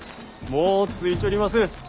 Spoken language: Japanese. もう着いちょります。